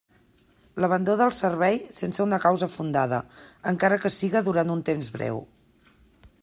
L'abandó del servei sense una causa fundada, encara que siga durant un temps breu.